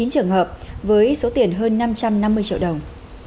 sáu trăm bốn mươi chín trường hợp với số tiền hơn năm trăm năm mươi triệu đồng